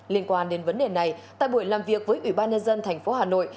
liên quan đến vấn đề này tại buổi làm việc với ủy ban nhân dân thành phố hà nội